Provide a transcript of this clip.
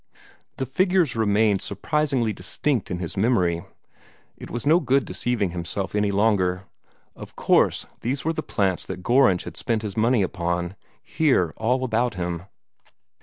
The figures remained surprisingly distinct in his memory. It was no good deceiving himself any longer: of course these were the plants that Gorringe had spent his money upon, here all about him.